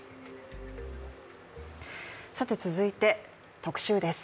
続いて特集です。